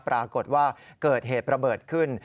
ปรากฏว่าเกิดเหตุระเบิดขึ้น